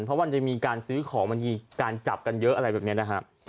เพราะมันจะมีการซื้อของมันมีการจับกันเยอะอะไรแบบนี้นะฮะ